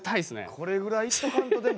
これぐらいいっとかんとでも。